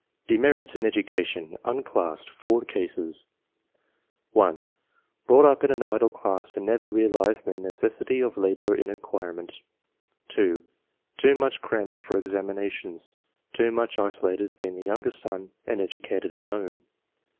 DEMERITS IN EDUCATION : UNCLASSED — POUR CASES. (1) "Brought up in an idle class, and never realised the necessity of labour in acquirement." (2) "Too much cramming for examinations. Too much isolated, being the youngest son and educated at home."